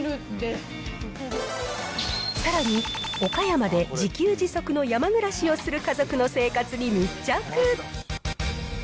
さらに岡山で自給自足の山暮らしをする家族の生活に密着。